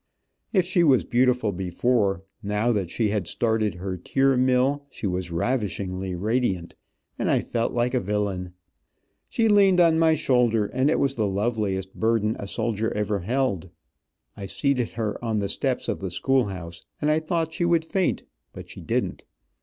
If she was beautiful before, now that she had started her tear mill, she was ravishingly radiant, and I felt like a villain. She leaned on my shoulder, and it was the loveliest burden a soldier ever held. I seated her on the steps of the schoolhouse, and I thought she would faint, but she didn't.